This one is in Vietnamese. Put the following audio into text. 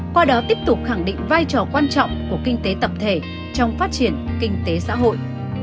qua đó tiếp tục khẳng định vai trò quan trọng của kinh tế tập thể trong phát triển kinh tế xã hội